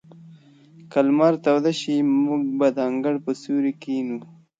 که لمر تود شي، موږ به د انګړ په سیوري کې کښېنو.